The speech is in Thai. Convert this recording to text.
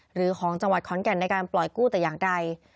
หรือของจังหวัดขอนแก่นในการปล่อยกู้แต่อย่างใด